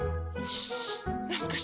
なんかさ